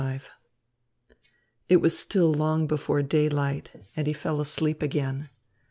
XLV It was still long before daylight, and he fell asleep again.